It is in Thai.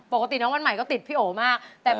ปกติน้องวันใหม่ก็ติดพี่โอมาก